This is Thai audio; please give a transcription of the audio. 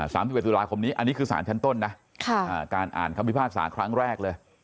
สิบเอ็ดตุลาคมนี้อันนี้คือสารชั้นต้นนะค่ะอ่าการอ่านคำพิพากษาครั้งแรกเลย